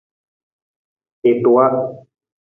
I tuwa.